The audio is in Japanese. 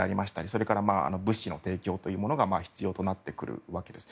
それから物資の提供というものが必要となってくるわけです。